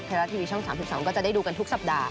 ไทยรัฐทีวีช่อง๓๒ก็จะได้ดูกันทุกสัปดาห